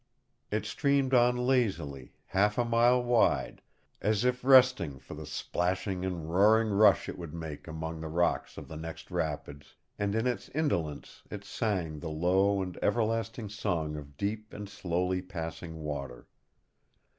It streamed on lazily, half a mile wide, as if resting for the splashing and roaring rush it would make among the rocks of the next rapids, and in its indolence it sang the low and everlasting song of deep and slowly passing water.